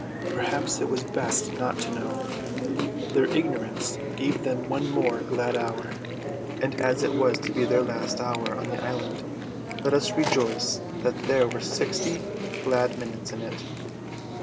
Perhaps it was best not to know. Their ignorance gave them one more glad hour; and as it was to be their last hour on the island, let us rejoice that there were sixty glad minutes in it.